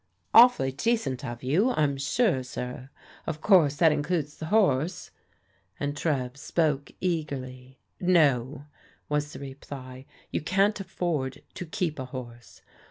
" Awfully decent of you, I'm sure, sir. Of course that includes the horse ?" and Trev spoke eagerly. " No," was the reply. " You can't afford to keep a horse."